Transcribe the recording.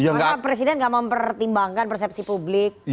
karena presiden tidak mempertimbangkan persepsi publik